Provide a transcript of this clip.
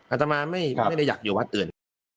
อาตมาไม่ได้อยากอยู่วัดอื่น